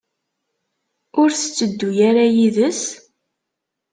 Ur tetteddu ara yid-s?